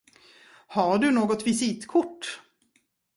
Har du något visitkort?